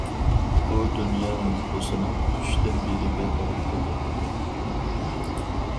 بۇ دۇنيا نوپۇسىنىڭ ئۈچتىن بىرىگە توغرا كېلىدۇ.